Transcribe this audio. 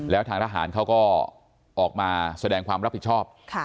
แล้วทางทหารเขาก็ออกมาแสดงความรับผิดชอบ